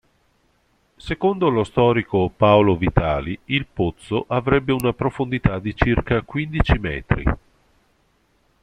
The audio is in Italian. Secondo lo storico Paolo Vitali il "Pozzo" avrebbe una profondità di circa quindici metri.